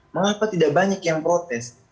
mengapa tidak banyak yang protes